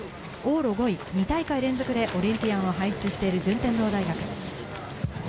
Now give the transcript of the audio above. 往路５位、２会連続でオリンピアンを輩出している順天堂大学。